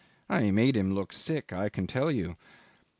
I made him look sick, I can tell you.